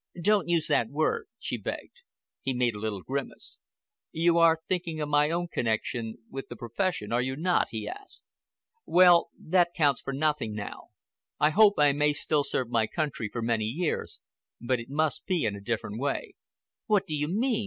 "Don't use that word," she begged. He made a little grimace. "You are thinking of my own connection with the profession, are you not?" he asked. "Well, that counts for nothing now. I hope I may still serve my country for many years, but it must be in a different way." "What do you mean?"